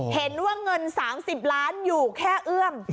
เห็นว่าเงิน๓๐ล้านอยู่แค่เอื้อม